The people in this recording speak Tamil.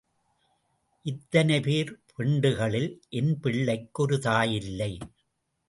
இத்தனை பேர் பெண்டுகளில் என் பிள்ளைக்கு ஒரு தாய் இல்லை.